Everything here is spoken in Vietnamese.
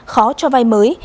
khó cho vay mới